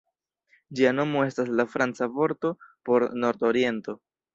Ĝia nomo estas la franca vorto por "nord-oriento".